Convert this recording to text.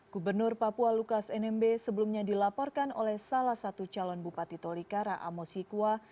gubernur papua lukas nmb sebelumnya dilaporkan oleh salah satu calon bupati tolikara amosikua